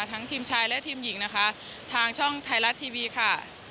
ทั้งทีมชายและทีมหญิงนะคะทางช่องไทยรัฐทีวีค่ะ